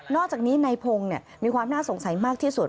อกจากนี้ในพงศ์มีความน่าสงสัยมากที่สุด